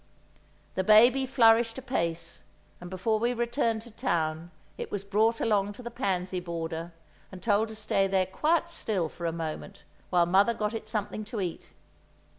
The baby flourished apace, and before we returned to town, it was brought along to the pansy border, and told to stay there quite still for a moment, while mother got it something to eat.